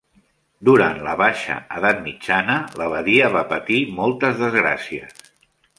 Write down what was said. Durant la baixa edat mitjana, l'abadia va patir moltes desgràcies.